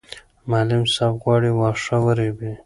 معلم صاحب غواړي واښه ورېبي.